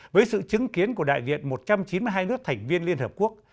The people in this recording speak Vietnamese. với sự chứng kiến của đại diện một trăm chín mươi hai nước thành viên liên hợp quốc